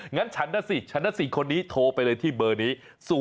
งั้นฉันนะสิฉันนะ๔คนนี้โทรไปเลยที่เบอร์นี้